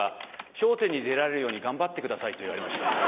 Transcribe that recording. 『笑点』に出られるように頑張ってください」と言われました。